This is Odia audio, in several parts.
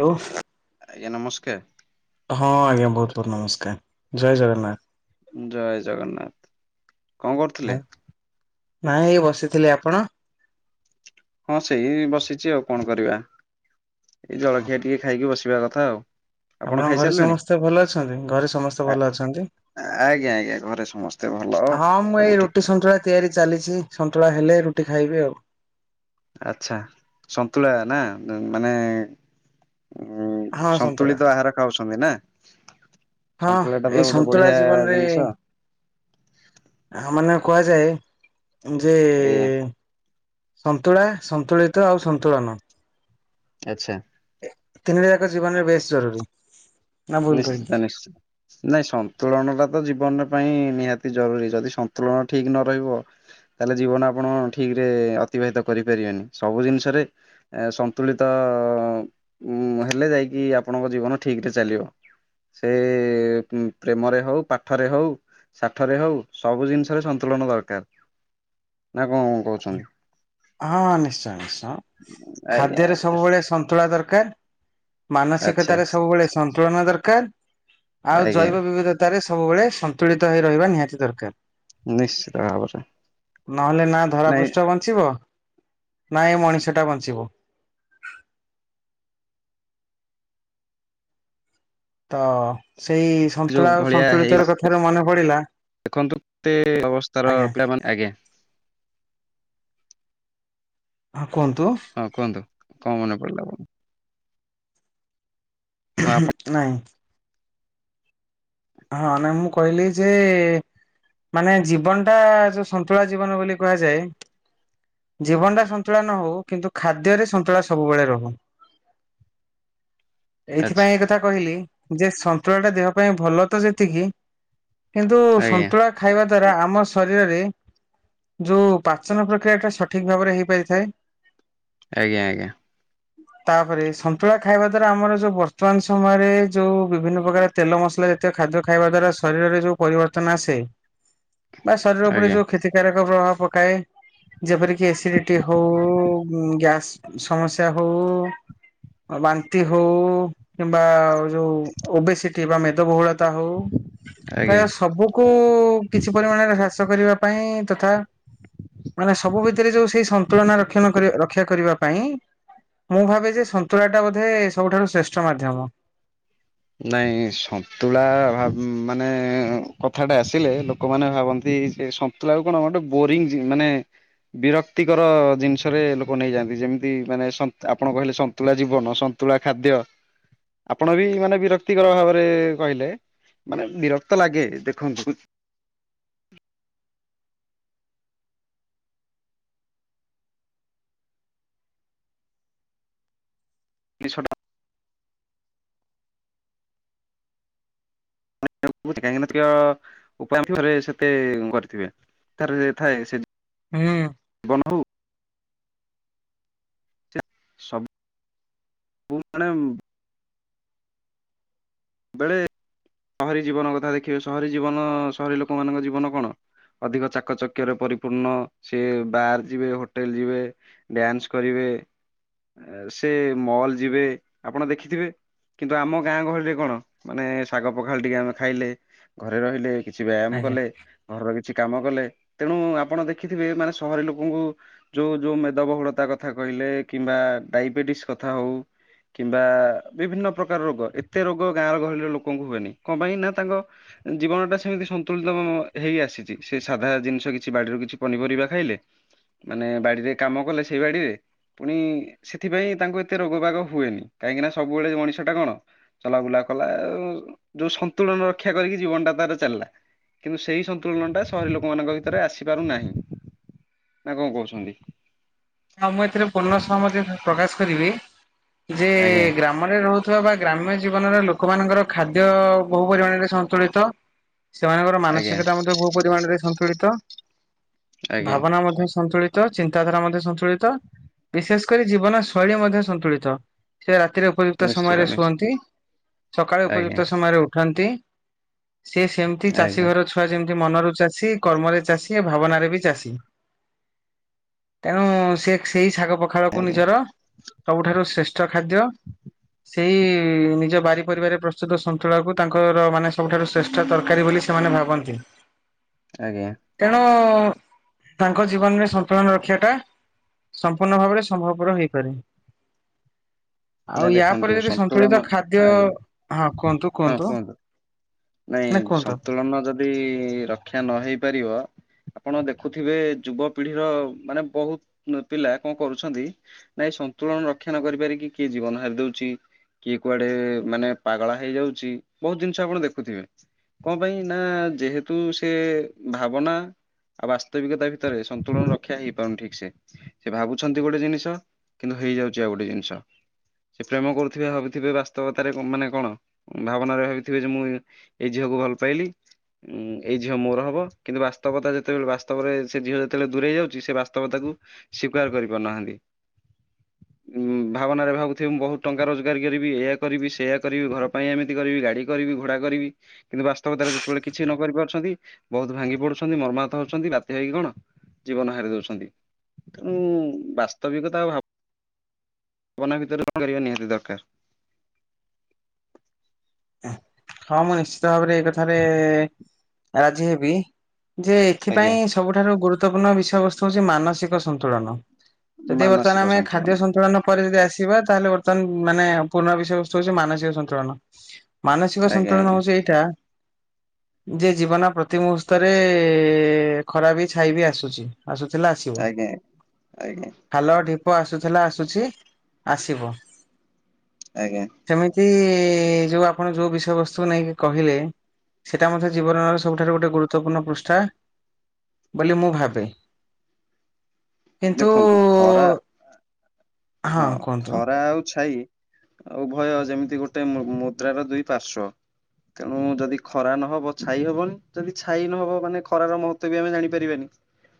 ଲୋ ଆଜ୍ଞା ନମସ୍କାର। ହଁ ଆଜ୍ଞା ବହୁତ ବହୁତ ନମସ୍କାର ଜୟ ଜଗନ୍ନାଥ। ଜୟ ଜଗନ୍ନାଥ କଣ କରୁଥୁଲେ? ନାଇଁ ଏଇ ବସିଥିଲି ଆପଣ? ହଁ ସେଇ ବସିଚି ଆଉ କଣ କରିବା ଏଇ ହଁ ଜଳଖିଆ ଟିକେ ଖାଇକି ବସିବା କଥା ଆଉ। ଆପଣ ଆପଣଙ୍କ ଘରେ ଖାଇସାରିଲେଣି? ସମସ୍ତେ ଭଲ ଅଛନ୍ତି? ଘରେ ସମସ୍ତେ ଆ ଭଲ ଅଛନ୍ତି। ଆଜ୍ଞା ଆଜ୍ଞା ଘରେ ସମସ୍ତେ ଭଲ ହଁ ମୁଁ ଏଇ ସବୁ ଠିକ ରୁଟି ତ। ସନ୍ତୁଳା ତିଆରି ଚାଲିଛି ସନ୍ତୁଳା ହେଲେ ରୁଟି ଖାଇବି ଆଉ। ଆଚ୍ଛା ସନ୍ତୁଳା ନା ମାନେ ଉଁ ହଁ ସନ୍ତୁଳା ସନ୍ତୁଳିତ ଆହାର ଖାଉଛନ୍ତି ନା? ହଁ ସନ୍ତୁଳା ଟା ତ ଏଇ ଗୋଟେ ସନ୍ତୁଳା ବଢିଆ ଜୀବନରେ ଜିନିଷ ଆ ମାନେ କୁହାଯାଏ ଯେ ଏଇଆ ସନ୍ତୁଳା ସନ୍ତୁଳିତ ଆଉ ସନ୍ତୁଳନ ଆଚ୍ଛା। ତିନିଟା ଯାକ ଜୀବନରେ ବେଶ୍ ଜରୁରୀ। ନା ଭୁଲ କହିଲି? ନିଶ୍ଚିତ ନିଶ୍ଚିତ। ନାଇଁ ସନ୍ତୁଳନ ଟା ତ ଜୀବନ ପାଇଁ ନିହାତି ଜରୁରୀ ଯଦି ସନ୍ତୁଳନ ଠିକ ନ ରହିବ ତାହେଲେ ଜୀବନ ଆପଣ ଠିକ୍ ରେ ଅତିବାହିତ କରିପାରିବେନି ସବୁ ଜିନିଷରେ ଏ ସନ୍ତୁଳିତ ଉଁ ହେଲେ ଯାଇକି ଆପଣଙ୍କ ଜୀବନ ଠିକ୍ ରେ ଚାଲିବ। ସେ ପ୍ରେମରେ ହଉ ପାଠରେ ହଉ। ସାଠରେ ହଉ ସବୁ ଜିନିଷରେ ସନ୍ତୁଳନ ଦରକାର ନା କଣ କଣ କହୁଛନ୍ତି? ହଁ ନିଶ୍ଚୟ ନିଶ୍ଚୟ ଆଜ୍ଞା ଖାଦ୍ୟରେ ଆଜ୍ଞା ସବୁବେଳେ ସନ୍ତୁଳା ଦରକାର। ଆଚ୍ଛା ମାନସିକତାରେ ସବୁବେଳେ ସନ୍ତୁଳନ ଦରକାର ଆଉ ଆଜ୍ଞା ଜୈବ ବିବିଧ ତା ରେ ସବୁବେଳେ ସନ୍ତୁଳିତ ହେଇ ରହିବା ନିହାତି ଦରକାର। ନିଶ୍ଚିତ ଭାବରେ। ନହେଲେ ନା ଧରା ନାଇଁ ପୃଷ୍ଟ ବ ଞ୍ଚିବ ନା ଏଇ ମଣିଷ ଟା ବଞ୍ଚିବ। ତ ସେଇ ଯୋଉ ସନ୍ତୁଳା ଆଉ ଭଳିଆ ହେଇ ସନ୍ତୁଳିତର କଥାରେ ମନେ ପଡିଲା। ଦେଖନ୍ତୁ ଏତେ ଅବସ୍ଥାର ଆଜ୍ଞା ପିଲାମାନେ ଆଜ୍ଞା। ହଁ କୁହନ୍ତୁ। ହଁ କୁହନ୍ତୁ କଣ ମନେ ପଡିଲା ଆପଣ? ହଁ ଆପଣ ନାଇଁ। ହଁ ନାଇଁ ମୁଁ କହିଲି ଯେ ମାନେ ଜୀବନ ଟା ଯୋଉ ସନ୍ତୁଳା ଜୀବନ ବୋଲି କୁହାଯାଏ। ଜୀବନଟା ସନ୍ତୁଳା ନ ହଉ କିନ୍ତୁ ଖାଦ୍ୟରେ ସନ୍ତୁଳା ସବୁବେଳେ ରହୁ। ଆଚ୍ଛା ଏଇଥିପାଇଁ ଏ କଥା କହିଲି ଯେ ସନ୍ତୁଳା ଟା ଦେହ ପାଇଁ ଭଲ ତ ଯେତିକି କିନ୍ତୁ ଆଜ୍ଞା ସନ୍ତୁଳା ଖାଇବା ଦ୍ଵାରା ଆମ ଶରୀରରେ ଯୋଉ ପାଚନ ପ୍ରକ୍ରିୟା ଟା ସଠିକ ଭାବରେ ହେଇପାରିଥାଏ। ଆଜ୍ଞା ଆଜ୍ଞା। ହଁ ତାପରେ ସନ୍ତୁଳା ଖାଇବା ଦ୍ଵାରା ଆମର ଯୋଉ ବର୍ତ୍ତମାନ ସମୟରେ ଯୋଉ ବିଭିନ୍ନ ପ୍ରକାର ତେଲ ମସଲା ଜା ତୀୟ ଖାଦ୍ୟ ଖାଇବା ଦ୍ବାରା ଶରୀରରେ ଯୋଉ ପରିବର୍ତ୍ତନ ଆସେ। ବା ଶରୀର ଉପରେ ଆଜ୍ଞା ଯୋଉ କ୍ଷତିକାରକ ପ୍ରଭାବ ପକାଏ। ଯେପରିକି ଏସିଡିଟି ହଉ ଗ୍ୟାସ୍ ସମସ୍ୟା ହଉ। ବାନ୍ତି ହଉ କିମ୍ବା ଯୋଉ ଓବେ ସି ଟି ବା ମେଦବହୁଳ ତା ହଉ ଆଜ୍ଞା। ପ୍ରାୟ ସବୁ କୁ କିଛି ପରିମାଣରେ ହ୍ରାସ କରିବା ପାଇଁ ତଥା ମାନେ ସବୁ ଭିତରେ ଯୋଉ ସେଇ ସନ୍ତୁଳନା ରକ୍ଷଣ କରିବା ର ରକ୍ଷା କରିବା ପାଇଁ ମୁଁ ଭାବେ ଯେ ସନ୍ତୁଳା ଟା ବୋଧେ ସବୁଠାରୁ ଶ୍ରେଷ୍ଠ ମାଧ୍ୟମ। ନାଇଁ ସନ୍ତୁଳା ମାନେ କଥାଟା ଆସିଲେ ଲୋକମାନେ ଭାବନ୍ତି ଯେ ସ ମତେ ଲାଗେ ବୋରିଂ ମାନେ ବିରକ୍ତିକର ଜିନିଷରେ ଲୋକ ନେଇଯାଆନ୍ତି। ଯେମିତି ମାନେ ସନ୍ତ ଆପଣ କହିଲେ ସନ୍ତୁଳା ଜୀବନ ସନ୍ତୁଳା ଖାଦ୍ୟ ଆପଣ ବି ମାନେ ବି ବିରକ୍ତିକର ଭାବରେ କହିଲେ ମାନେ ବିରକ୍ତ ଲାଗେ। ଦେଖନ୍ତୁ ନିଶ ଟା [unintelligible] ଉପାୟରେ ସେତେ କରିଥିବେ। ତାରରେ ଥାଏ ସେ ହୁଁ। [unintelligible] ସବୁ ମାନେ ବେଳେ ସହରୀ ଜୀବନ କଥା ଦେଖିବେ ସହରୀ ଜୀବନ ସହରୀ ଲୋକ ମାନଙ୍କ ଜୀବନ କଣ? ଅଧିକ ଚାକଚକ୍ୟରେ ପରିପୂର୍ଣ୍ଣ ସେ ବାର୍ ଯିବେ ହୋଟେଲ ଯିବେ। ଡ୍ୟାନ୍ସ କରିବେ। ସେ ମଲ୍ ଯିବେ ଆପଣ ଦେଖିଥିବେ। କିନ୍ତୁ ଆମ ଗାଁ ଗହଳିରେ କଣ? ମାନେ ଶାଗ ପଖାଳ ଟିକେ ଆମେ ଖାଇଲେ ଘରେ ରହିଲେ କିଛି ବ୍ୟାୟାମ ଆଜ୍ଞା। କଲେ। ଘରର କିଛି କାମ କଲେ। ତେଣୁ ଆପଣ ଦେଖିଥିବେ ମାନେ ସହରୀ ଲୋକଙ୍କୁ ଯୋଉ ଯୋଉ ମେଦବହୁଳତା କଥା କହିଲେ କିମ୍ବା ଡାଇବେଟିସ୍ କଥା ହଉ। କିମ୍ବା ବିଭିନ୍ନ ପ୍ରକାର ରୋଗ ଏତେ ରୋଗ ଗାଁର ଗହଳିର ଲୋକଙ୍କୁ ହୁଏନି। କଣ ପାଇଁ ନା ତାଙ୍କ ଜୀବନ ଟା ସେମିତି ସନ୍ତୁଳିତ ହେଇ ଆସିଛି ସେ ସାଧା ଜିନିଷ କିଛି ବାଡିରୁ କିଛି ପନିପରିବା ଖାଇଲେ। ମାନେ ବାଡିରେ କାମ କଲେ ସେଇ ବାଡିରେ ପୁଣି ସେଥିପାଇଁ ତାଙ୍କୁ ଏତେ ରୋଗ ବାଗ ହୁଏନି। କାହିଁକି ନା ସବୁବେଳେ ମଣିଷଟା କଣ? ଚଲାବୁଲା କଲା ଯୋଉ ସନ୍ତୁଳନ ରକ୍ଷା କରିକି ଜୀବନ ଟା ତାର ଚାଲିଲା। କିନ୍ତୁ ସେହି ସନ୍ତୁଳନଟା ସହରୀ ଲୋକମାନଙ୍କ ଭିତରେ ଆସିପାରୁନାହିଁ। ନା କଣ କହୁଛନ୍ତି? ହଉ ମୁଁ ଏଥିରେ ପୂର୍ଣ୍ଣ ସହମତ ପ୍ରକାଶ କରିବି। ଯେ ଆଜ୍ଞା ଗ୍ରାମ ଗ୍ରାମରେ ରହୁଥିବା ବା ଗ୍ରାମ୍ୟ ଜୀବନରେ ଲୋକମାନଙ୍କର ଖାଦ୍ୟ ବହୁ ପରିମାଣରେ ସନ୍ତୁଳିତ। ସେମାନଙ୍କର ଆଜ୍ଞା ମାନସିକତା ମଧ୍ୟ ବହୁ ପରିମାଣରେ ସନ୍ତୁଳିତ ଆଜ୍ଞା ଭାବନା ମଧ୍ୟ ସନ୍ତୁଳିତ। ତ ଚିନ୍ତାଧାରା ମଧ୍ୟ ସ ତୁଳା ବିଶେଷ କରି ଜୀବନ ଶୈଳୀ ମଧ୍ୟ ସନ୍ତୁଳିତ ସେ ରାତିରେ ଉପଯୁକ୍ତ ନିଶ୍ଚିତ ସମୟରେ ନିଶ୍ଚିତ ଶୁଅନ୍ତି ସକାଳେ ଆଜ୍ଞା ଉପଯୁକ୍ତ ସମୟରେ ଉଠନ୍ତି। ସେ ସେମିତି ଚାଷୀ ଆଜ୍ଞା। ଘର ଛୁଆ ଯେମିତି ମନରୁ ଚାଷୀ କର୍ମରେ ଚାଷୀ ଭାବନାରେ ବି ଚାଷୀ। ତେଣୁ ସେ ସେଇ ଶାଗ ପଖାଳକୁ ଆଜ୍ଞା ନିଜର ସବୁଠାରୁ ଶ୍ରେଷ୍ଠ ଖାଦ୍ୟ। ସେଇ ନିଜ ବାରି ପରିବାରରେ ପ୍ରସ୍ତୁତ ସନ୍ତୁଳା କୁ ତାଙ୍କର ମାନେ ସବୁଠାରୁ ଶ୍ରେଷ୍ଠ ତରକାରୀ ବୋଲି ସେମାନେ ଭାବନ୍ତି। [inaudible] ଆଜ୍ଞା। ତେଣୁ ତାଙ୍କ ଜୀବନରେ ସନ୍ତୁଳନ ରଖିବା ଟା ସମ୍ପୂର୍ଣ୍ଣ ଭାବରେ ସମ୍ଭବପର ହେଇପାରେନି। ଆଉ ନାଇଁ ୟା ଦେଖନ୍ତୁ ପରେ ଯଦି ସନ୍ତୁଳନ ସନ୍ତୁଳିତ ଖାଦ୍ୟ ଆଜ୍ଞା ହଁ କୁହନ୍ତୁ କୁହନ୍ତୁ। ନାଇଁ ନା କୁହନ୍ତୁ। ସନ୍ତୁଳନ ଯଦି ରକ୍ଷା ନହଇ ପାରିବ। ଆପଣ ଦେଖୁଥିବେ ଯୁବପିଢିର ମାନେ ବହୁତ ପିଲା କଣ କରୁଛନ୍ତି। ନାଇଁ ସନ୍ତୁଳନ ରକ୍ଷା ନ କରିପାରିକି କିଏ ଜୀବନ ହାରି ଦଉଛି। କିଏ କୁଆଡେ ମାନେ ପାଗଳା ହେଇଯାଉଛି ବହୁତ ଜିନିଷ ଆପଣ ଦେଖୁଥିବେ। କଣ ପାଇଁ ନା ଯେହେତୁ ସେ ଭାବନା ଆଉ ବାସ୍ତବିକତା ଭିତରେ ସନ୍ତୁଳନ ରକ୍ଷା ହେଇପାରୁନି ଠିକ୍ ସେ ସେ ଭାବୁଛନ୍ତି ଗୋଟେ ଜିନିଷ କିନ୍ତୁ ହେଇଯାଉଛି ଆଉ ଗୋଟେ ଜିନିଷ। ସେ ପ୍ରେମ କରୁଥିବେ ଭାବିଥିବେ ବାସ୍ତବତାରେ ମାନେ କଣ ଭାବନାରେ ଭାବିଥିବେ ଯେ ମୁଁ ଏଇ ଝିଅକୁ ଭଲ ପାଇଲି ଏଇ ଝିଅ ମୋର ହବ କିନ୍ତୁ ବାସ୍ତବତା ଯେତେବେଳେ ବାସ୍ତବରେ ସେ ଝିଅ ଯେତେବେଳେ ଦୂରେଇ ଯାଉଛି ସେ ବାସ୍ତବତାକୁ ସ୍ୱୀକାର କରିପାରୁନାହାନ୍ତି ଉଁ ଭାବନାରେ ଭାବ କହୁଥିବେ ମୁଁ ବହୁତ ଟଙ୍କା ରୋଜଗାର କରିବି ଏୟା କରିବି ସେୟା କରିବି ଘର ପାଇଁ ଏମିତି କରିବି ଗାଡ଼ି କରିବି ଘୋଡ଼ା କରିବି କିନ୍ତୁ ବାସ୍ତବତାରେ ଯେତେବେଳେ କିଛି ନ କରି ପାରୁଛନ୍ତି ବହୁତ ଭାଙ୍ଗି ପଡୁଛନ୍ତି ମର୍ମାହତ ହଉଛନ୍ତି ବାଧ୍ୟ ହେଇକି କଣ? ଜୀବନ ହାରି ଦଉଛନ୍ତି ତେଣୁ ବାସ୍ତବିକତା ଭାବ ଭାବନା ଭିତରେ କରିବା ନିହାତି ଦରକାର। ହଁ ମୁଁ ନିଶ୍ଚିତ ଭାବରେ ଏ କଥାରେ ରାଜି ହେବି ଯେ ଆଜ୍ଞା। ଥିପାଇଁ ସବୁଠାରୁ ଗୁରୁତ୍ୱପୂର୍ଣ୍ଣ ବିଷୟବସ୍ତୁ ହଉଛି ମାନସିକ ସନ୍ତୁଳନ। ଯଦି ବର୍ତ୍ତମାନ ଆମେ ଖାଦ୍ୟ ସନ୍ତୁଳନ ପରେ ଯଦି ଆସିବା ତାହେଲେ ବର୍ତ୍ତମାନ ମାନେ ପୁରୁଣା ବିଷୟବସ୍ତୁ ହଉଛି ମାନସିକ ସନ୍ତୁଳନ। ମାନସିକ ଆଜ୍ଞା ସନ୍ତୁଳନ ଆଜ୍ଞା ହଉଛି ଏଇଟା ଯେ ଜୀବନ ପ୍ରତି ମୁହୂର୍ତ୍ତରେ ଖରା ବି ଛାଇ ବି ଆସୁଛି। ଆସୁଥିଲା ଆସିବ। ଆଜ୍ଞା ଆଜ୍ଞା ଖାଲ ଢିପ ଆସୁଥିଲା ଆସୁଛି ଆସିବ। ଆଜ୍ଞା। ସେମିତି ଯୋଉ ଆପଣ ଯୋଉ ବିଷୟ ବସ୍ତୁ କୁ ନେଇକି କହିଲେ ସେଇଟା ମଧ୍ୟ ଜୀବନର ସବୁଠାରୁ ଗୋଟେ ଗୁରୁତ୍ୱପୂର୍ଣ୍ଣ ପୃଷ୍ଠା ବୋଲି ମୁଁ ଭାବେ। କିନ୍ତୁ ଦେଖନ୍ତୁ ଖରା ହଁ ଖରା ଆଉ ଛାଇ ଉଭୟ ଯେମିତି ଗୋଟେ ମୁଦ୍ରାର ଦୁଇ ପାର୍ଶ୍ଵ। ତେଣୁ ଯଦି ଖରା ନହବ ଛାଇ ହବନି ଯଦି ଛାଇ ନହବ ମାନେ ଖରାର ମହତ୍ୱ ବି ଆମେ ଜାଣିପାରିବାନି। [unintelligible]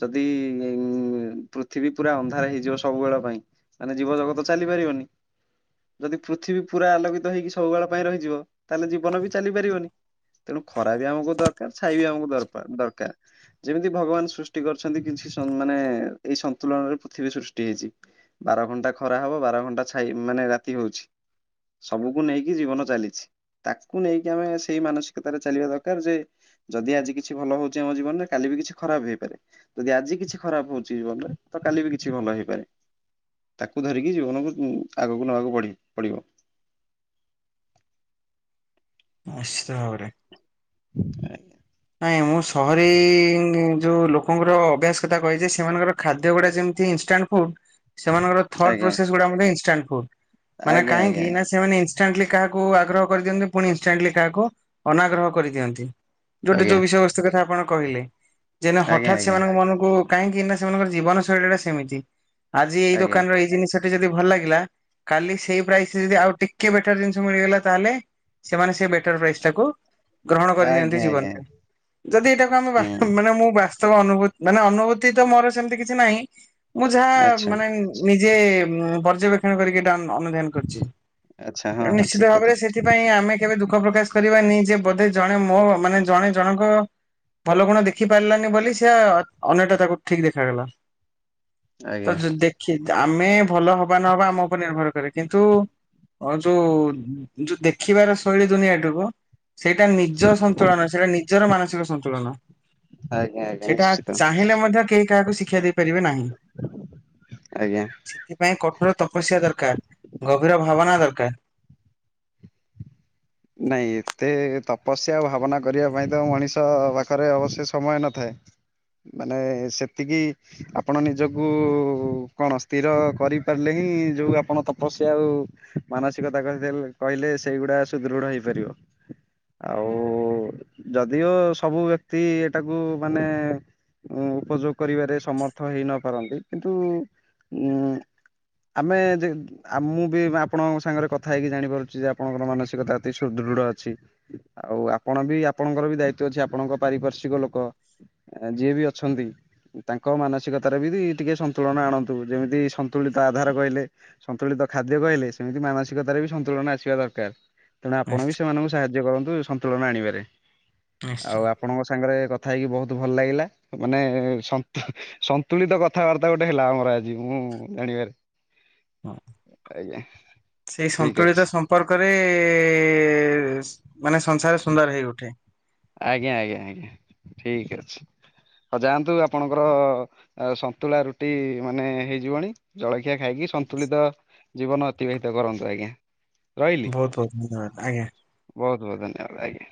ଯଦି ଇ ପୃଥିବୀ ପୁରା ଅନ୍ଧାର ହେଇଯିବ ସବୁବେଳ ପାଇଁ ମାନେ ଜୀବଜଗତ ଚାଲିପାରିବନି। ଯଦି ପୃଥିବୀ ପୁରା ଆଲୋକିତ ହେଇକି ସବୁବେଳ ପାଇଁ ରହିଯିବ ତାହେଲେ ଜୀବନ ବି ଚାଲିପାରିବନି। ତେଣୁ ଖରା ବି ଆମକୁ ଦରକାର ଛାଇ ବି ଆମକୁ ଦରପାର ଦରକାର। ଯେମିତି ଭଗବାନ ସୃଷ୍ଟି କରିଛନ୍ତି କିଛି ମାନେ ଏଇ ସନ୍ତୁଳନରେ ପୃଥିବୀ ସୃଷ୍ଟି ହେଇଛି। ବାର ଘଣ୍ଟା ଖରା ହବ ବାର ଘଣ୍ଟା ଛାଇ ମାନେ ରାତି ହଉଛି। ସବୁକୁ ନେଇକି ଜୀବନ ଚାଲିଛି। ତାକୁ ନେଇକି ଆମେ ସେଇ ମାନସିକତାରେ ଚାଲିବା ଦରକାର ଯେ ଯଦି ଆଜି କିଛି ଭଲ ହଉଛି ଆମ ଜୀବନରେ କାଲି ବି କିଛି ଖରାପ ହେଇପାରେ ଯଦି ଆଜି କିଛି ଖରାପ ହଉଛି ଜୀବନ ରେ ତ କାଲି ବି କିଛି ଭଲ ହେଇପାରେ। ତାକୁ ଧରିକି ଜୀବନକୁ ଆଗକୁ ନବାକୁ ପଢ଼ିବ ପଡ଼ିବ। ନିଶ୍ଚିତ ଭାବରେ। [inaudible] ନାଇଁ ମୁଁ ସହରୀ ଯୋଉ ଲୋକଙ୍କର ଅଭ୍ୟାସ କଥା କହିଛି ସେମାନଙ୍କର ଖାଦ୍ୟ ଗୁଡ଼ା ଯେମତି ଇନସଟାଣ୍ଟ ସେମାନଙ୍କର ଥର୍ଡ ଆଜ୍ଞା ପ୍ରୋସେଶ୍ ଗୁଡ଼ା [unintelligible] ମାନେ ଆଜ୍ଞା ଆଜ୍ଞା କାହିଁକି ନା ଆଜ୍ଞା। ସେମାନେ ଇନ୍ସ ଇନଷ୍ଟାଣ୍ଟଲି କାହାକୁ ଆଗ୍ରହ କରିଦିଅନ୍ତି ପୁଣି ଇନଷ୍ଟାଣ୍ଟଲି କାହାକୁ ଅନାଗ୍ରହ କରିଦିଅନ୍ତି। ଯୋଉଟା ଯୋଉ ଆଜ୍ଞା ବିଷୟବସ୍ତୁ କଥା ଆପଣ କହିଲେ ଯେନା ହଠାତ୍ ଆଜ୍ଞା ସେମାନଙ୍କ ମନକୁ କାହିଁକି ନା ସେମାନଙ୍କର ଜୀବନ ଶୈଳୀ ଟା ସେମିତି ଆଜି ଏଇ ଆଜ୍ଞା ଦୋକାନ ର ଏଇ ଜିନିଷ ଯଦି ଭଲ ଲାଗିଲା କାଲି ସେଇ ପ୍ରାଇସରେ ଯଦି ଆଉ ଟିକେ ବେଟର ଜିନିଷ ମିଳିଗଲା ତାହେଲେ ସେମାନେ ସେ ବେଟର ପ୍ରାଇସ୍ ଟାକୁ ଗ୍ରହଣ କରିନିଅନ୍ତି ଆଜ୍ଞା ଆଜ୍ଞା ଆଜ୍ଞା ଜୀବନରେ ଯଦି ଏଇଟାକୁ ଆମେ ବା ହୁଁ ମାନେ ମୁଁ ବା ତ ଅନୁଭ ମାନେ ଅନୁଭୂତି ତ ମୋର ସେମିତି କିଛି ନାହିଁ ମୁଁ ଯାହା ଆଚ୍ଛା। ମାନେ ନିଜେ ପର୍ଯ୍ୟବେକ୍ଷଣ କରିକି ଏଟା ଅନୁଧ୍ୟାନ କରିଛି ଆଚ୍ଛା ହଁ ହଁ ନିଶ୍ଚିତ ଠିକ ଭାବରେ କଥା ସେ ସେଥିପାଇଁ ଆମେ କେବେ ଦୁଃଖ ପ୍ରକାଶ କରିବାନି ଯେ ବୋଧେ ଜଣେ ମୋ ମାନେ ଜଣେ ଜଣଙ୍କ ଭଲ ଗୁଣ ଦେଖି ପାରିଲାନି ବୋଲି ସେ ଅନ୍ୟଟା ତାକୁ ଠିକ ଦେଖାଗଲା। ତ ଆଜ୍ଞା ଦେଖି ଆମେ ଭଲ ହବା ନହବା ଆମ ଉପରେ ନିର୍ଭର କରେ କିନ୍ତୁ ଆ ଯୋଉ ଯୋଉ ଦେଖିବାର ଶୈଳୀ ଦୁନିଆଟିକୁ ସେଇଟା ନିଜ ସନ୍ତୁଳନ ସେଟା ନିଜର ମାନସିକ ସନ୍ତୁଳନ ଆଜ୍ଞା ଆଜ୍ଞା ସେଇଟା ନିଶ୍ଚିତ ଚାହିଁଲେ ମଧ୍ୟ କେହି କାହାକୁ ସି କ୍ଷା ଦେଇପାରିବେ ନାହିଁ। ଆଜ୍ଞା। ସେଥିପାଇଁ କଠୋର ତପସ୍ୟା ଦରକାର, ଗଭୀର ଭାବନା ଦରକାର। ନାଇଁ ଏତେ ତପସ୍ୟା ଭାବନା କରିବା ପାଇଁ ତ ମଣିଷ ପାଖରେ ଅବଶ୍ୟ ସମୟ ନଥାଏ। ମାନେ ସେତିକି ଆପଣ ନିଜକୁ କଣ ସ୍ଥିର କରିପାରିଲେ ହିଁ ଯୋଉ ଆପଣ ତପସ୍ୟା ଆଉ ମାନସିକତା କହି କହିଲେ ସେଇଗୁଡା ସୁଦୃଢ ହେଇପାରିବ। ଆଉ ଯଦିଓ ସବୁ ବ୍ୟକ୍ତି ଏଟାକୁ ମାନେ ଉ ଉପଯୋଗ କରିବାରେ ସମର୍ଥ ହେଇନ ପାରନ୍ତି କିନ୍ତୁ ଉ ଆମେ ଯେ ମୁଁ ବି ଆପଣଙ୍କ ସାଙ୍ଗରେ କଥା ହେଇକି ଜାଣିପାରୁଛି ଯେ ଆପଣଙ୍କର ମାନ କତା ଅତି ସୁଦୃଢ଼ ଅଛି। ଆଉ ଆପଣ ବି ଆପଣଙ୍କର ବି ଦାୟିତ୍ଵ ଅଛି ଆପଣଙ୍କ ପାରିପାରସ୍ଵିକ ଲୋକ ଆ ଯିଏ ବି ଅଛନ୍ତି। ତାଙ୍କ ମାନସିକତାରେ ବି ଟିକେ ସନ୍ତୁଳନ ଆଣନ୍ତୁ, ଯେମିତି ସନ୍ତୁଳିତ ଆଧାର କହିଲେ। ସନ୍ତୁଳିତ ଖାଦ୍ୟ କହିଲେ, ସେମିତି ମାନସିକତାରେ ବି ସନ୍ତୁଳନ ଆସିବା ଦରକାର। ତେଣୁ ଆପଣ ବି ସେମାନଙ୍କୁ ସାହାଯ୍ୟ କରନ୍ତୁ, ସନ୍ତୁଳନ ଆଣିବାରେ ଆଉ ନିଶ୍ଚୟ। ଆପଣଙ୍କ ସାଙ୍ଗରେ କଥା ହେଇକି ବହୁତ ଭଲ ଲାଗିଲା ମାନେ ସନ୍ତ ସନ୍ତୁଳିତ କଥାବାର୍ତ୍ତା ଗୋଟେ ହେଲା ଆମର ଆଜି ମୁଁ ଜାଣିବାରେ। ହଁ ଆଜ୍ଞା। ସେଇ ଠିକ ଅଛି ସନ୍ତୁଳିତ ସ ମ୍ପର୍କରେ ମାନେ ସଂସାର ସୁନ୍ଦର ହେଇ ଉଠେ। ଆଜ୍ଞା ଆଜ୍ଞା ଆଜ୍ଞା ଠିକ ଅଛି। ହଁ ଯାଆନ୍ତୁ ଆପଣଙ୍କର ସନ୍ତୁଳା ରୁଟି ମାନେ ହେଇଯିବଣୀ ଜଳଖିଆ ଖାଇକି ସନ୍ତୁଳିତ ଜୀବନ ଅତିବାହିତ କରନ୍ତୁ, ଆଜ୍ଞା। ରହିଲି ବହୁତ ବହୁତ ଧନ୍ୟବାଦ ଆଜ୍ଞା। ବହୁତ ବହୁତ ଧନ୍ୟବାଦ ଆଜ୍ଞା।